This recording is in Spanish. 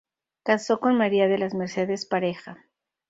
Casó con María de las Mercedes Pareja.